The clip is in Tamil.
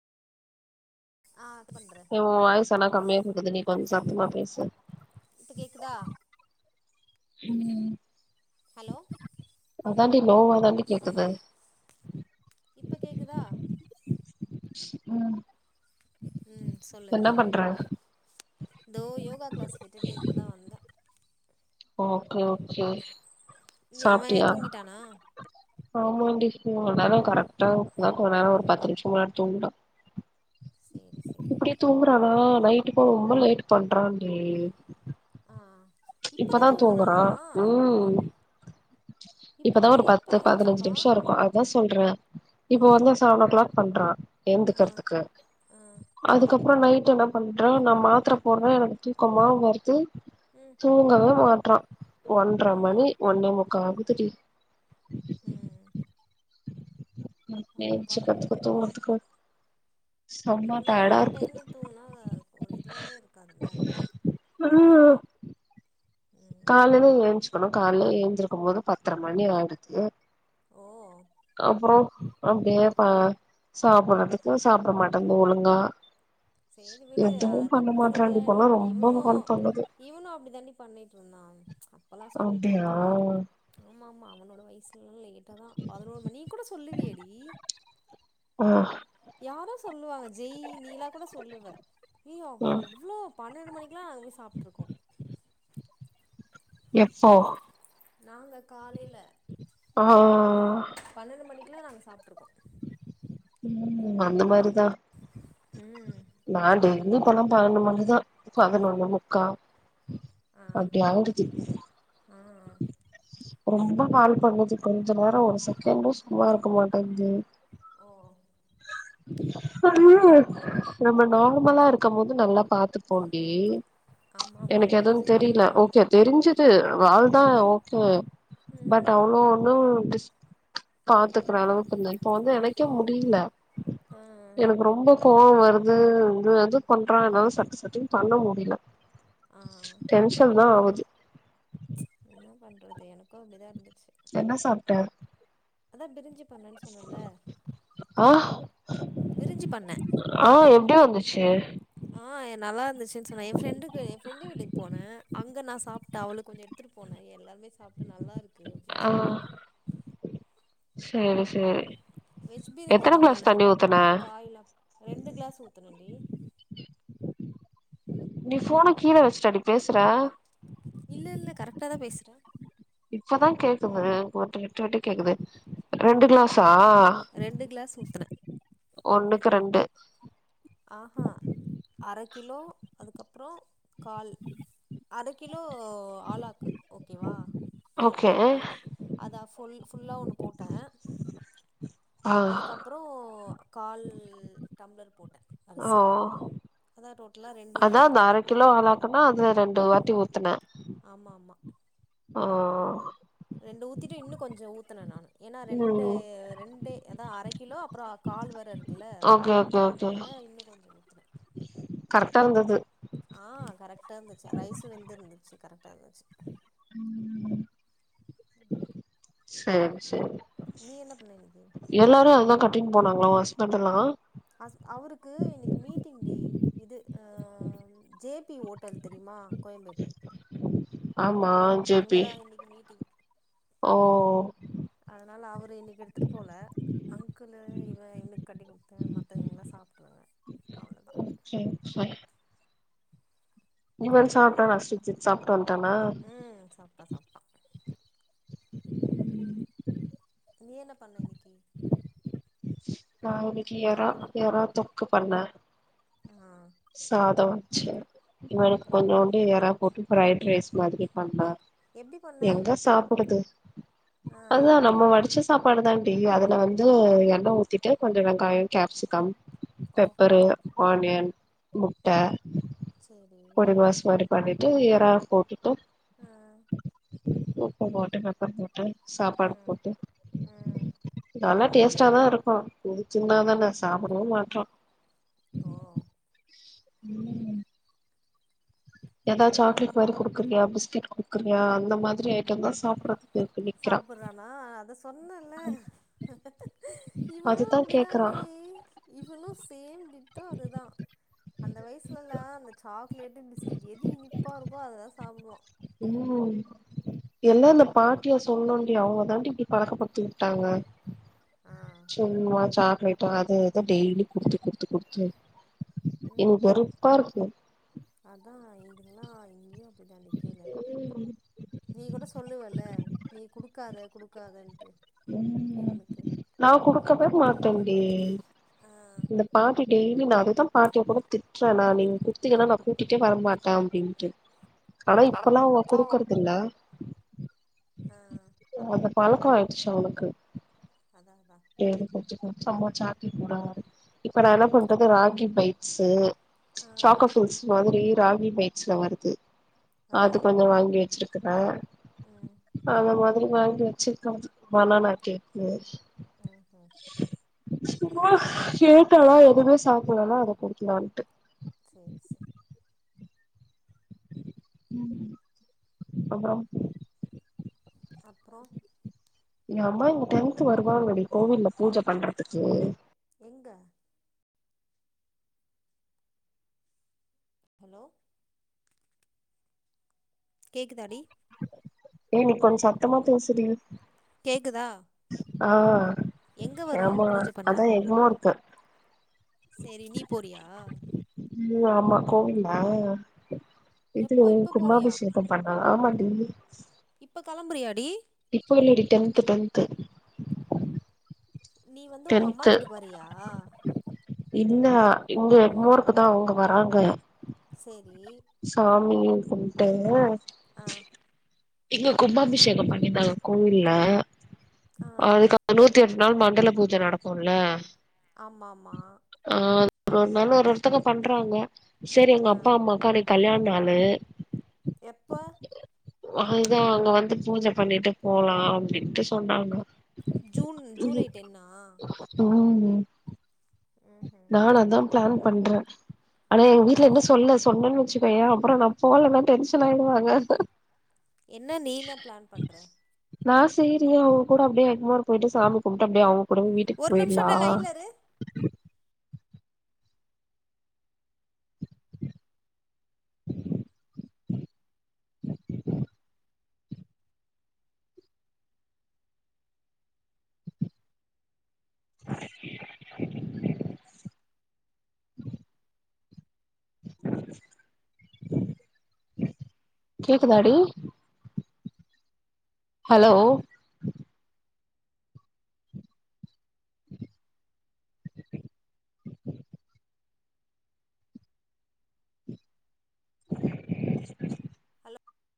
ஆ இது பண்றே ஏ ஒ வாய்சு ஏனா கம்மியா கேக்குது டி கொஞ்ச் சத்தமா பேசு இப்ப கேக்குதா ம் ஹலோ அதான்டி லோவா தான்டி கேக்குது இப்ப கேக்குதா ம் ம் சொல்லு என்ன பண்ற இதோ யோகா கிளாஸ் விட்டுட்டு இப்ப தா வந்த ஓகே ஓகே அவன் சாப்டியா தூங்கிட்டானா ஆமான்டி இவ வர கரெக்ட்டா இப்ப கொஞ்ச நேர ஒரு பத்து நிமிஷொ முன்னாடி தூங்குறா சேரி சே இப்பே தூங்குறானா நைட்டுக்கு போ ரொம்ப லேட் பண்றான்டி ஆ இப்பதா தூங்குனானா உம் இப்ப இப்பதா ஒரு தூங்கி எப்ப பத்து பதினஞ்சு ஏஞ்ச்சுப்பா நிமிஷம் இருக்கு அதா சொல்றே ஆ இப்போ வந்து செவன் ஓ க்ளாக் பண்றா ஆ எந்துகிறதுக்கு ஆ அதுக்கப்றோ நைட் என்ன பண்றா நம த்திர போடுறே எனக்கு தூக்கமா வருது ம் தூங்கவே மாற்றா ஒன்ற ம் மணி ஒன்னே முக்கா ஆகுதுடி ம் அப்பா [unintelligible] இந்த செம்ம மாரி டயர்டா இருக்கு அன்டைம்ல தூங்குனா ஒரு இதுவாவே இருக்காதுல்ல நில்லு ம் காலைல ஏஞ்சுக்கணு கால்ல ஏந்திருக்க போது பத்தரை மணி ஆயிடுது ஓ அப்புறோ அப்டியே பா சாப்றதுக்கு சாப்ட மாட்டேங்கு ஒழுங்கா சேரி விடு எதுவு பண்ண அதுக்கப்றோ மாட்றான்டி சரியாய்டு இப்பல்லா ரொம்ப இவுனு கால் பண்ணுது இவுனு அப்டி தான்டி பண்ணிட்டு இருந்தான் இப்பலா ஸ்கூல் அப்டியா போறதுக்கு முட்டு ஆமா ஆமா அவனோட வயசு லேட்டா தான் பதினோரு மணி கூட சொல்லுவியேடி ஆ யாரோ சொல்லுவாங்க ஜெய் நீலா கூட சொல்லுவ ஏ அ ஆ எவ்ளோ பா பன்னெண்டு மணிக்லா அங்க சாப்ட்ருக்கோ எப்போ நாங்க காலேல ஆ பன்னெண்டு மணிக்லா நாங்க சாப்ட்ருக்கோ ம் அந்த மாரிதா ம் நா டெய்லி இப்பல்லா பன்ணென்டு மணிதா பதினொன்னு முக்கா ஆ அப்டி ஆய்டுது ஆ ரொம்ப வால் பண்ணுது கொஞ்ச நேர ஒரு செகண்டு சும்மா இருக்க மாட்டேங்குது ஓ சொல்லு நம்ம நார்மலா இருக்கம்போது நல்லா பாத்துப்போன்டி ஆமா ஆமா எனக்கு எது ஒடம்பு தெரில சரியில்லனா ஓகே தெரிஞ்சுது வால்தா ஓகே பட் ம் அவ்ளோ ஒன்னு டிஸ் பாத்துக்குற அளவுக்கு இல்ல இப்ப வந்து எனக்கு கே முடில ஆ எனக்கு ரொம்ப கோவ வருது இது அது பண்றா என்னால சட்டு சட்டுன்னு பண்ண முடில [unintelligible] ம் ச் என்ன பண்றது எனக்கு அப்டிதா இருந்துச்சு என்ன சாப்ட அதா பிரிஞ்சு பண்ணேன்னு சொன்னேல ஆ பிரிஞ்சு பண்ணே ஆ எப்டி வந்துச்சு ஆன் எ நல்லா இருந்துச்சு சொன்னேன் என் ஃப்ரெண்டுக்கு என் ஃப்ரெண்டு வீட்டுக் போனே அங்க நான் சாப்ட்ட அவளுக்கு கொஞ்சம் எடுத்து போன எல்லார்மே சாப்ட்டு நல்லா இருக்கு அப்டின்னு ஆ சொன்னாங்க சேரி சேரி வெஜ் பிரிஞ்சி எத்தன தான் கிளாஸ் பண்ணே தண்ணி ஊத்துன காய்லாம் ரெண்டு கிளாஸ் ஊத்ணண்டி நீ ஃபோன கீழ வச்சுட்டாடி பேசுற இல்ல இல்ல கரெக்டா தா பேசுறே இப்பதா கேக்குது ஒ விட்டு விட்டு கேக்குது ரெண்டு கிளாஸ்ஸா ரெண்டு கிளாஸ் ஊத்துன ஒன்னுக்கு ரெண்டு ஆஹூ அர கிலோ அதுக்கப்புறோ கால் அட கிலோ ஆலாக்கு ஓகேவா ஓகே அதா ஃபுல் ஃபுல்லா ஒன்னு போட்டே ஆ அதுக்கப்றோ கால் டம்ளர் போட்டே அரிசி ஓ அதா டோட்டலா ரெண்டு ஊத்தன அப்பனா அதுல ரெண்டு வாட்டி ஊத்தனே ஆமா ஆமா ஓ ரெண்டு ஊத்திட்டு இன்னு கொஞ்ச ஊத்தன நானு ஏன்னா ரெண்டு ம் ரெண்டு ஏதா அரை கிலோ அப்ற கால் வேர இருக்குல்ல ஓகே அதனால இன்னு கொஞ்ச ஊத்துன கரெட்டா இருந்தது ஆ கரக்டா இருந்துச்சு ரைஸ்சு வெந்து இருந்துச்சு கரெக்டா இருந்துச்சு ம் சேர் சேர் என்ன பண்ண இன்னைக்கி எல்லாரு அததா கட்டின் போனாங்களா உ ஹஸ்பெண்டல்லா ஹஸ் அவுருக்கு இன்னிக் மீட்டிங் டி இது அ ஜேபி ஓட்டல் தெரியுமா கோயம்பேட் ஆமா ஜேபி அங்கதா இன்னைக்கு மீட்டிங் ஓ அதனால அவுரு இன்னிக் எடுத்துட் போல அங்குளு இவ இவனுக் கட்டி குடுத்த மத்தவங்கல்லா சாப்ட்டுவாங்க அவ்ளோதா ஒகே ஒகே இவர் ம் சாப்ட்டானா சுஜன் சாப்ட்டு வன்ட்டானா ட்ட சாப்ட்டா நீ என்ன பண்ண இன்னக்கி நா இன்னிக்கி எறா எறா தொக்கு பண்ணே ஆ சாதம் வச்சு இவனுக்கு ம் கொஞ்சோண்டு ஏறா போட்டு பிரைட் ரைஸ் மாரி பண்ண எப்டி பண்ண எங்க சாப்புடுது ஆ அதா நம்ம வடிச்ச சாப்பாடுதா டி அதுல வந்து எண்ண ஊத்திட்டு கொஞ்ச வெங்கய கேப்சிகம் ஓஹோ பெப்பரு ஆனியன் முட்ட சேரி பொடி மாஸ் மாரி பண்ணிட்டு எறா போட்டுட்டு அ உப்பு போட்டு பெப்பர் போட் டு சாப்பாடு ம் போட்டு ம் நல்லா டேஸ்ட்டா தா இருக்கு தின்னாதான சாப்படவே மாட்றா ஓ ம் எதா சாக்லேட் மாரி குடுக்குறியா பிஸ்கட் குடுக்குறியா அந்த மாதிரி ஐட்டம் தா சாப்பற்றதுக் நிக்கிறா றானா அத சொன்னேல்ல இவனு அதுதா கேக்குறா அப்டிதான்டி இவனு சேம் டிட்டோ அதுதா அந்த வயசுலல அந்த சாக்லேட் பிஸ்கட் எது இனிப்பா இருக்கோ அதா சாப்டுவோ உ எல்லா அந்த பாட் ட்டியா சொல்ணுடி அவுங்க தான்டி இப்டி பழக்கப் படுத்தி உட்டாங்க ஆ சும்ம சாக்லேட்டு அது இது‌ டெய்லி குடுத்து குடுத்து குடுத்து உ ஹு எனக்கு வெறுப்பா இருக்கு அதா இதுங்கல்லா இங்கேயு அடி தாண்டி கீழ நீ கூட சொல்லுவல்ல நீ குடுக்காத குடுக்காத உ நா குடுக்கவே மாட்டேன்டி ஆ இந்த பாட்டி டெய்லி நா அத தா பாட்டிய கூட திட்றே நா நீங்க குட்த்திங்கன்னா நா கூட்டிட்டே வர மாட்டே அப்டின்ட்டு ஓ ஆனா ஆ இப்பல்லா அவுங்க குடுக்குறதுல்ல ஆ அந்த பழக்கோ ஆயிடுச்சு அவளுக்கு அதாக்கா டெய்லி கொஞ்சோ கொஞ்சம்ம சாக்கி கூடா இப்ப நா என்ன பண்றது ரக்கி பைட்ஸ் ஆ சக்கோஃல்ஸ் மாதிரி ராகி பைட்ஸ்ல வருது அது கொஞ்சோ வாங்கி வெச்சிருக்கறே உ அந்த மாதிரி வாங்கி வெச்சிருக்கே பனானா கேக்கு ஆ கேட்டல்லா எதுவுமே சாப்பிட்லேன அத குடுக்கலான்னுட்டு செரி செரி அப்றோ அப்றோ எங்க அம்மா இங்க டென்த் வருவாங்க டி கோவில்ல பூஜ பண்றதுக்கு எங்க ஹலோ கேக்குதாடி ஏ நீ கொஞ்ச சத்தமா பேசுடி கேக்குதா ஆ எங்க வருவாங்க ஆமா பூஜ அதா எக்மோர்க்கு செரி நீ போறியா ம் அமா கோவில்ல எப்போ வீட்ல இப்ப போறியா கும்பாபிஷேகம் இப்ப பண்ணத ஆமா டி இப்ப கிளம்புறியாடி இப்ப இல்லாடி டென்து டென்தூ நீ வந்து உங்க அம்மா டென்த்து வீட்டுக்கு வரியா இல்ல இங்க எக்மோருக்கு தா அவுங்க வராங்க செரி சாமினு சொல்லிட்டு ஆ இங்க கும்பாபிஷேக பண்ணிருந்தங்க கோவில்ல ஆ அதுக்கு நூத்தி எட்டு நாள் மண்டல பூஜ நடக்குலே ஆமா ஆமா ஆ ஒரு நாள் ஒரு ஒருத்தங்க இடத் பண்றாங்க செரி எங்க ஆ அப்பா அம்மாக்கு அன்னைக்கு கல்யாண நாளு எப்ப வாங்க அங்க வந்து பூஜ பண்ணிட்டு போலா அப்டின்ட்டு சொன்னாங்க ஜூன் ஜூலை டென்னா ம் ம் ம் நானு அதா பிளான் பண்றே ஆனா எங்க வீட் ட்ல இன்னு என்ன சொல்ல சொன்னேன் வெச்சுக்கோய அப்றோ நா போலனா டென்ஷன் ஆயடுவாங்க என்னா நீ என்ன பிளான் பண்றே நா சேரி அவங் கூட அப்டியே எக்மோர் போயிட்டு சாமி கும்புட்டு அப்டியே அவங்க கூடயே வீட்டுக்கு ஒரு நிமிஷம் போயிர்லா அப்டியே லைன்ல இரு கேக்குதாடி ஹலோ